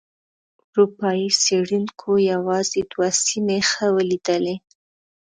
اروپایي څېړونکو یوازې دوه سیمې ښه ولیدلې.